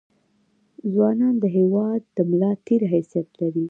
ځونان دهیواد دملا دتیر حیثت لري